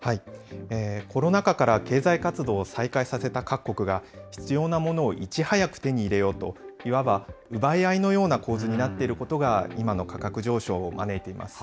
コロナ禍から経済活動を再開させた各国が、必要な物をいち早く手に入れようと、いわば奪い合いのような構図になっていることが、今の価格上昇を招いています。